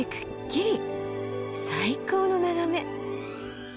最高の眺め！